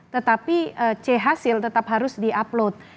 tetapi c hasil tetap harus di upload